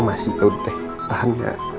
masih ya udah deh tahan ya